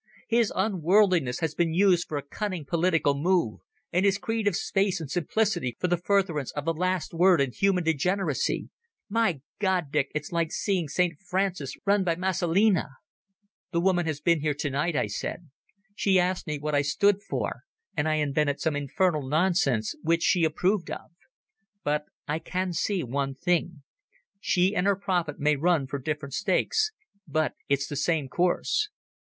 His unworldliness has been used for a cunning political move, and his creed of space and simplicity for the furtherance of the last word in human degeneracy. My God, Dick, it's like seeing St Francis run by Messalina." "The woman has been here tonight," I said. "She asked me what I stood for, and I invented some infernal nonsense which she approved of. But I can see one thing. She and her prophet may run for different stakes, but it's the same course."